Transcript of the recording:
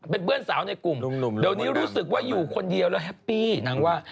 เป็นเพื่อนสาวในกลุ่มเดี๋ยวนี้รู้สึกว่าอยู่คนเดียวแล้วแฮปปี้นางว่า